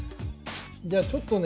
じゃあちょっとね